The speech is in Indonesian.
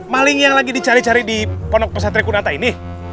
maling yang lagi dicari cari di ponok pesantren kun anta ini